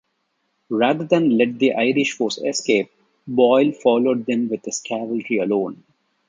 Rather than let the Irish force escape, Boyle followed them with his cavalry alone.